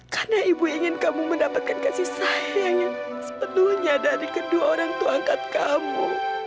karena ibu ingin kamu mendapatkan kasih sayang yang sepenuhnya dari kedua orang itu angkat kamu